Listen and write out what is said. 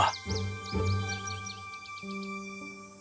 dengan benda benda ini